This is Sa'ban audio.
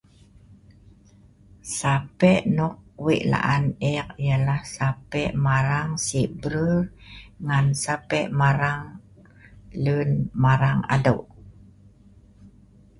Sape nok Wei laan eek ialah sape si marang si brul, sape marang adeu